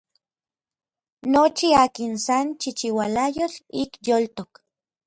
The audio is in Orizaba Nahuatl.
Nochi akin san chichiualayotl ik yoltok.